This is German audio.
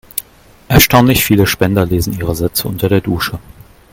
Erstaunlich viele Spender lesen ihre Sätze unter der Dusche.